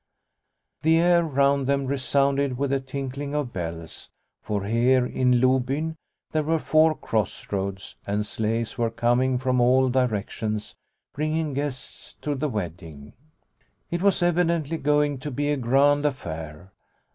The air round them resounded with the tink ling of bells, for here in Lobyn there were four cross roads, and sleighs were coming from all directions bringing guests to the wedding. It was evidently going to be a grand affair.